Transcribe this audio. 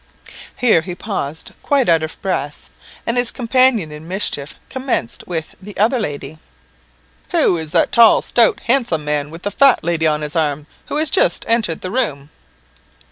Here he paused, quite out of breath, and his companion in mischief commenced with the other lady. "Who is that tall, stout, handsome man, with the fat lady on his arm, who has just entered the room?"